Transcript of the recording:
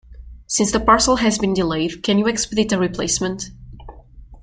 Since the parcel has been delayed, can you expedite a replacement?